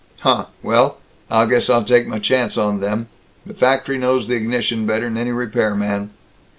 "Huh! Well, I guess I'll take my chance on them. The factory knows the ignition better 'n any repair man."